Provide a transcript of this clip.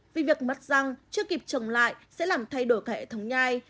vì việc mất răng chưa kịp trồng lại sẽ làm thay đổi cả hệ thống nhai